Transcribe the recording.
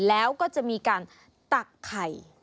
แล้วก็จะมีการตักไข่